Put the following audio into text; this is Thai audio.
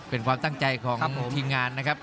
เป็นความตั้งใจของทีมงานนะครับ